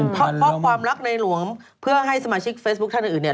เพราะความรักในหลวงเพื่อให้สมาชิกเฟซบุ๊คท่านอื่นเนี่ย